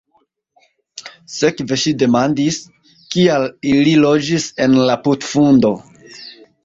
Sekve ŝi demandis: "Kial ili loĝis en la putfundo?"